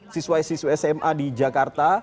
siswa siswi sma di jakarta